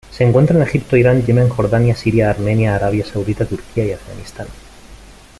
Se encuentra en Egipto Irán Yemen Jordania Siria Armenia Arabia Saudita Turquía y Afganistán.